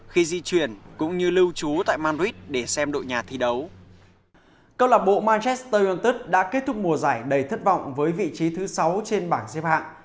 kết thúc mùa giải đầy thất vọng với vị trí thứ sáu trên bảng xếp hạng